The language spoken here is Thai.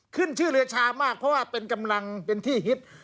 ขึ้นชื่อเรือชามากเพราะว่าเป็นกำลังเป็นที่ฮิต